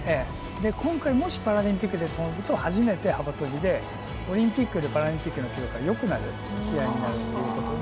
今回もしパラリンピックで跳ぶと初めて幅跳びでオリンピックよりパラリンピックの記録がよくなる試合になるっていうことで。